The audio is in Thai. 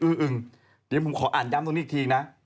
อึงเดี๋ยวผมขออ่านย้ำตรงนี้อีกทีนะ